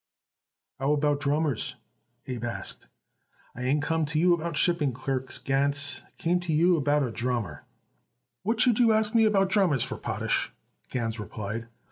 "How about drummers?" Abe asked. "I ain't come to ask you about shipping clerks, Gans; I come to ask you about a drummer." "What should you ask me about drummers for, Potash?" Gans replied.